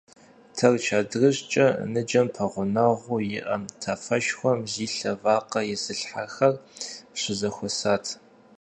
Тэрч адрыщӀкӀэ ныджэм пэгъунэгъуу иӀэ тафэшхуэм зи лъэ вакъэ изылъхьэр щызэхуэсат.